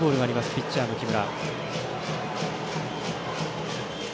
ピッチャーの木村。